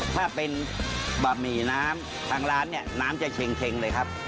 ถ้าเป็นบะหมี่น้ำทางร้านเนี่ยน้ำจะเช็งเลยครับ